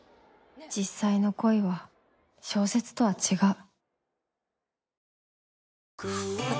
実際の恋は小説とは違う